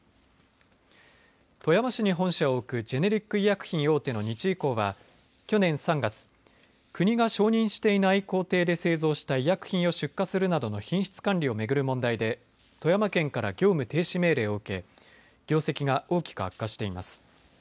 富山市に本社を置くジェネリック医薬品大手の日医工は去年３月、国が承認していない工程で製造した医薬品を出荷するなどの品質管理を巡る問題で富山県から業務停止命令を受け業績が大きく悪化しています。